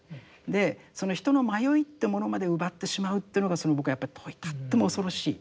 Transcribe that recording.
でその人の迷いってものまで奪ってしまうというのが僕はやっぱりとっても恐ろしい。